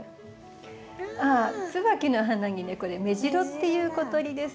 ツバキの花にねこれメジロっていう小鳥です。